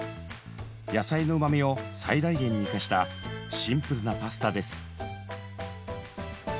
野菜のうまみを最大限に生かしたシンプルなパスタです。